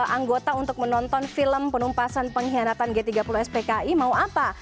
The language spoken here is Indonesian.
anggota untuk menonton film penumpasan pengkhianatan g tiga puluh spki mau apa